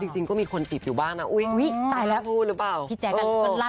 จริงก็มีคนจีบอยู่บ้างนะอุ๊ยพูดหรือเปล่า